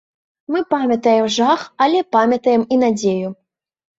Мы памятаем жах, але памятаем і надзею.